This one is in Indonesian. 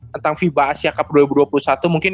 tentang fiba asia cup dua ribu dua puluh satu mungkin